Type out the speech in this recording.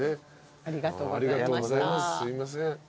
ありがとうございます。